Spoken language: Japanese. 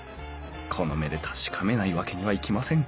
この目で確かめないわけにはいきません